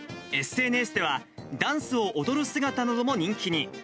ＳＮＳでは、ダンスを踊る姿なども人気に。